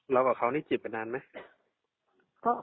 เรากับเขานี่เจ็บไปนานไหม